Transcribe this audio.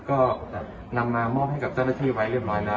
ก็นำมามอบให้กับเจ้าหน้าที่ไว้เรียบร้อยแล้ว